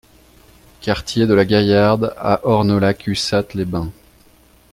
Quartier de la Gaillarde à Ornolac-Ussat-les-Bains